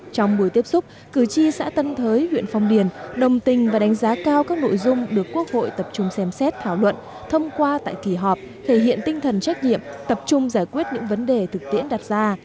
trong buổi tiếp xúc cử tri xã tân thới huyện phong điền đồng tình và đánh giá cao các nội dung được quốc hội tập trung xem xét thảo luận thông qua tại kỳ họp thể hiện tinh thần trách nhiệm tập trung giải quyết những vấn đề thực tiễn đặt ra